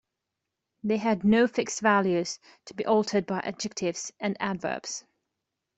They had no fixed values, to be altered by adjectives and adverbs.